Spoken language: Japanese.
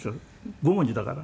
５文字だから」